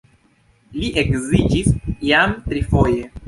Li edziĝis jam trifoje.